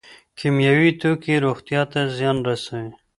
کیمیاوي توکي روغتیا ته زیان رسوي.